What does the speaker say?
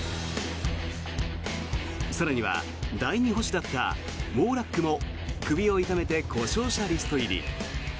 更には第２捕手だったウォーラックも首を痛めて、故障者リスト入り。